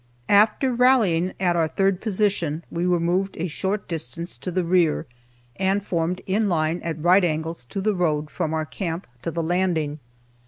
After rallying at our third position, we were moved a short distance to the rear, and formed in line at right angles to the road from our camp to the landing.